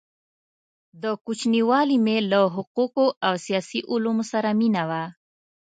د كوچنیوالي مي له حقو قو او سیاسي علومو سره مینه وه؛